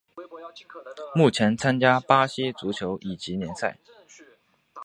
目前参加巴西足球乙级联赛。